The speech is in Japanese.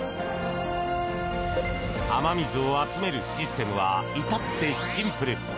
雨水を集めるシステムは至ってシンプル。